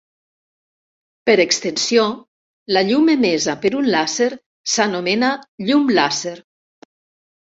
Per extensió, la llum emesa per un làser s'anomena llum làser.